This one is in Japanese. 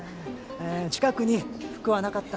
近くに服はなかった？